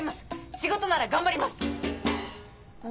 仕事なら頑張ります！